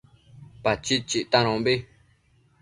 Pachid chictanombi